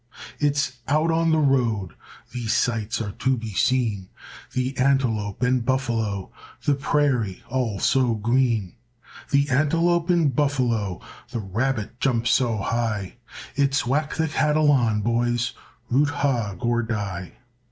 It's out on the road These sights are to be seen, The antelope and buffalo, The prairie all so green, The antelope and buffalo, The rabbit jumps so high; It's whack the cattle on, boys, Root hog or die.